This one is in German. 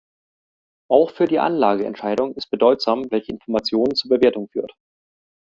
Auch für die Anlageentscheidung ist bedeutsam, welche Information zur Bewertung führt.